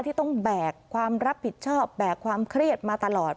ที่ต้องแบกความรับผิดชอบแบกความเครียดมาตลอด